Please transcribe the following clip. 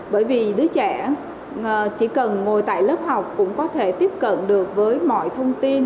bởi vì đứa trẻ chỉ cần ngồi tại lớp học cũng có thể tiếp cận được với mọi thông tin